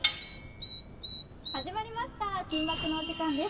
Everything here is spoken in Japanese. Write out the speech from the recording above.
始まりました「金バク！」のお時間です。